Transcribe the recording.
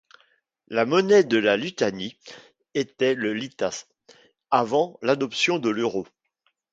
La monnaie de la Lituanie était le litas avant l'adoption de l'euro.